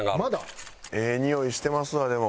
ええにおいしてますわでも。